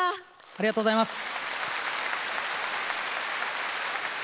ありがとうございます。